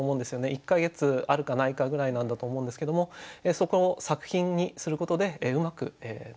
１か月あるかないかぐらいなんだと思うんですけどもそこを作品にすることでうまく残している。